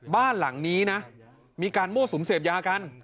บ้านหลังนี้นะมีการมั่วสุมเสพยากัน